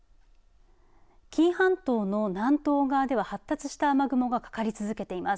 紀伊半島の南東側では発達した雨雲がかかり続けています。